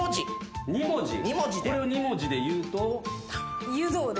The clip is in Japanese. これを２文字で言うと？